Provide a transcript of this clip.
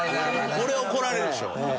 これ怒られるでしょ。